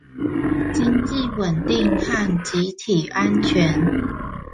經濟穩定和集體安全